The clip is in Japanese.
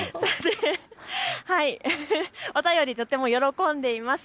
お便り、とっても喜んでいます。